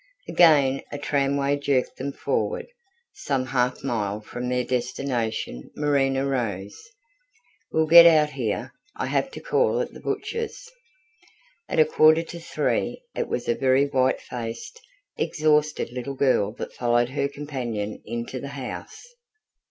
Again a tramway jerked them forward. Some half mile from their destination, Marina rose. "We'll get out here. I have to call at the butcher's." At a quarter to three, it was a very white faced, exhausted little girl that followed her companion into the house.